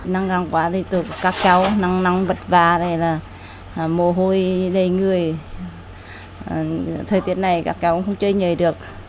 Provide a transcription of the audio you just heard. nắng nắng quá thì tụi các cháu nắng nắng bật vả mồ hôi đầy người thời tiết này các cháu không chơi nhảy được